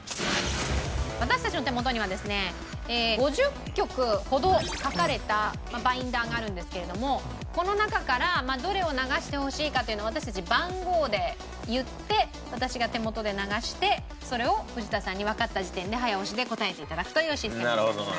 私たちの手元にはですね５０曲ほど書かれたバインダーがあるんですけれどもこの中からどれを流してほしいかというのを私たち番号で言って私が手元で流してそれを藤田さんにわかった時点で早押しで答えて頂くというシステムになります。